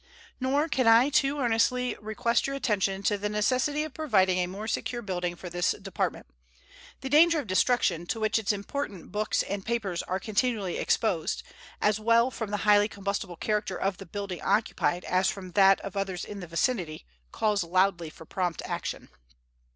Nor can I too earnestly request your attention to the necessity of providing a more secure building for this Department. The danger of destruction to which its important books and papers are continually exposed, as well from the highly combustible character of the building occupied as from that of others in the vicinity, calls loudly for prompt action.